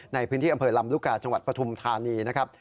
ในพื้นที่อำเภอลำลูกกาจังหวัดปฐุมธานีนะครับ